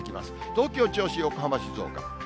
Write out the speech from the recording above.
東京、銚子、横浜、静岡。